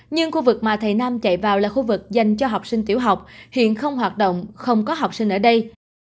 nhưng khu vực mà thầy nam chạy vào là khu vực dành cho học sinh tiểu học hiện không hoạt động không có học sinh ở đây